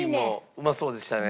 うまそうでしたね。